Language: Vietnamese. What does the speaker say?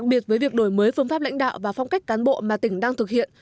việt với việc đổi mới phương pháp lãnh đạo và phong cách cán bộ mà tỉnh đang thực hiện